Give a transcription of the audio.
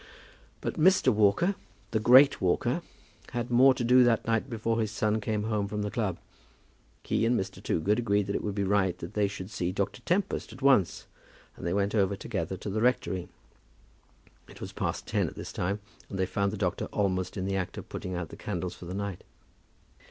But Mr. Walker, the great Walker, had more to do that night before his son came home from the club. He and Mr. Toogood agreed that it would be right that they should see Dr. Tempest at once, and they went over together to the rectory. It was past ten at this time, and they found the doctor almost in the act of putting out the candles for the night.